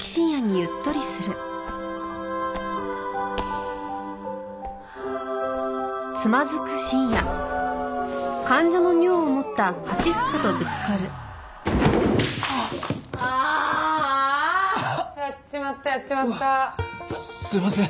うわっすいません。